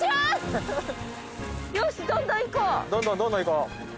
どんどんどんどん行こう。